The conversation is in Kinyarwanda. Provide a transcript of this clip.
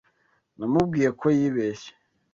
Namubwiye ko yibeshye.